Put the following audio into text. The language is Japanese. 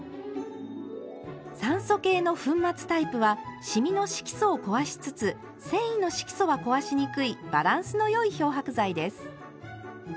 酸素系の粉末タイプはシミの色素を壊しつつ繊維の色素は壊しにくいバランスのよい漂白剤です。